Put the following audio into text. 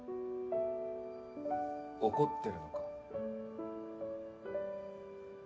怒ってるのか？